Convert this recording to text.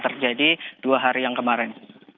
terjadi dua hari yang kemarin